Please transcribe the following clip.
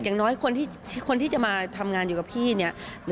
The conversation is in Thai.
อย่างน้อยคนที่จะมาทำงานอยู่กับพี่เนี่ย